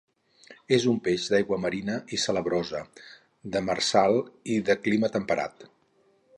És un peix d'aigua marina i salabrosa, demersal i de clima temperat.